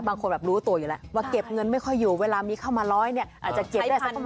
บางคนแบบรู้ตัวอยู่แล้วว่าเก็บเงินไม่ค่อยอยู่เวลามีเข้ามาร้อยเนี่ยอาจจะเก็บได้สักประมาณ